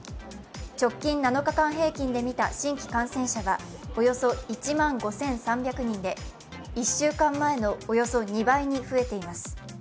直近７日間平均で見た新規感染者はおよそ１万５３００人で１週間前のおよそ２倍に増えています。